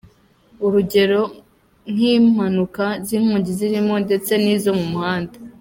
Urugero n’ink’impanuka z’inkongi z’imiriro ndetse n’izo mu muhanda.